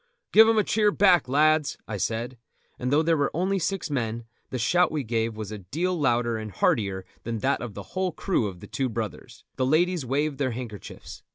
"Give them a cheer back, lads," I said; and though there were only six men, the shout we gave was a deal louder and heartier than that of the whole crew of The Two Brothers; the ladies waved their handkerchiefs.